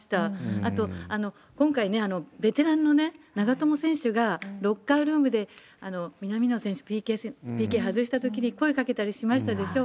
あと、今回、ベテランの長友選手が、ロッカールームで、南野選手、ＰＫ外したときに声かけたりしましたでしょう。